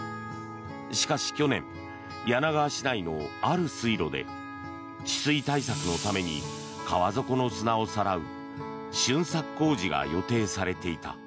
しかし、去年柳川市内のある水路で治水対策のために川底の砂をさらうしゅんさく工事が予定されていた。